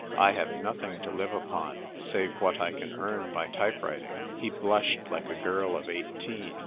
I have nothing to live upon save what I can earn by type writing." He blushed like a girl of eighteen.